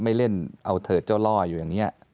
ไม่เล่นเอาเถิดเจ้าล่ออยู่อย่างนี้